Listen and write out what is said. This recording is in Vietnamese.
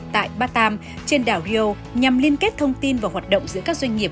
tại batam trên đảo hyo nhằm liên kết thông tin và hoạt động giữa các doanh nghiệp